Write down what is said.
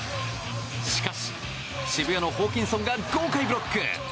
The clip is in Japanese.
しかし、渋谷のホーキンソンが豪快ブロック！